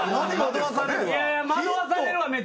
惑わされるわ。